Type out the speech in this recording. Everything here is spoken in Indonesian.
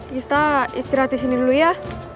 kita istirahat disini dulu ya